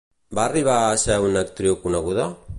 Va arribar a ser una actriu coneguda?